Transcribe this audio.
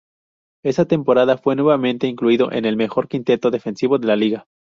Esa temporada fue nuevamente incluido en el mejor quinteto defensivo de la liga.